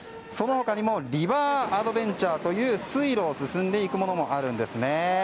その他にもリバーアドベンチャーという水路を進んでいくものもあるんですね。